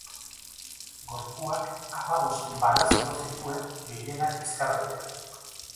Gorpuak hamabost bala zulo zituen, gehienak bizkar aldean.